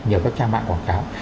nhờ các trang mạng quảng cáo